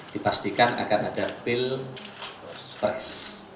dipastikan akan ada pilprice